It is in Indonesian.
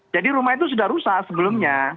jadi rumah itu sudah rusak sebelumnya